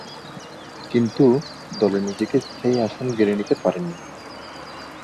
কিন্তু, দলে নিজেকে স্থায়ী আসন গেড়ে নিতে পারেননি।